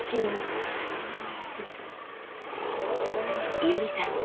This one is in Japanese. いおりさん